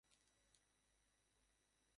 এই পৃথক জ্ঞানই সকল দুঃখের কারণ।